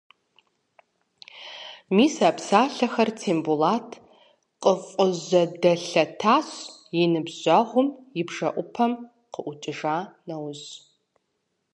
Мис а псалъэхэр Тембулэт къыфӏыжьэдэлъэтащ, и ныбжьэгъум и бжэӏупэм къыӏукӏыжа нэужь.